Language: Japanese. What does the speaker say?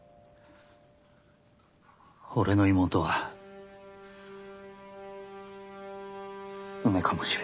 俺の妹は梅かもしれねえ。